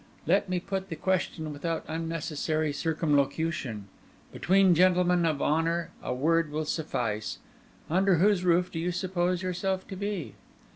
Let me put the question without unnecessary circumlocution—between gentlemen of honour a word will suffice—Under whose roof do you suppose yourself to be?"